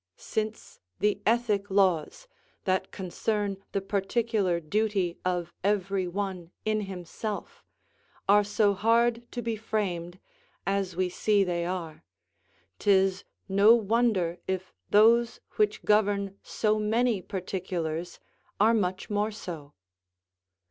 Since the ethic laws, that concern the particular duty of every one in himself, are so hard to be framed, as we see they are, 'tis no wonder if those which govern so many particulars are much more so.